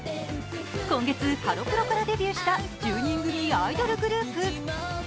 今月ハロプロからデビューした１０人組アイドルグループ。